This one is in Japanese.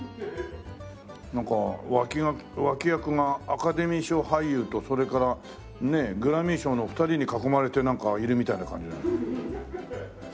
なんか脇役がアカデミー賞俳優とそれからねグラミー賞の２人に囲まれてなんかいるみたいな感じだね。